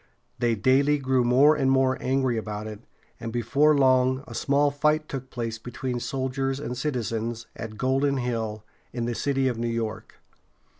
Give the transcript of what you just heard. They daily grew more and more angry about it, and before long a small fight took place between soldiers and citizens, at Golden Hill, in the city of New York.